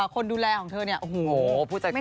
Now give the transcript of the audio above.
คนดูแลของเธอเนี่ยโอ้โหผู้จัดการ